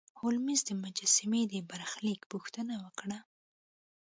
هولمز د مجسمې د برخلیک پوښتنه وکړه.